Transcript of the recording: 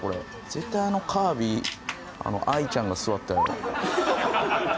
絶対あのカービィ愛ちゃんが座ったやろ。